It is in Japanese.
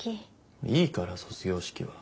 いいから卒業式は。